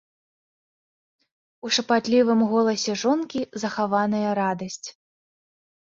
У шапатлівым голасе жонкі захаваная радасць.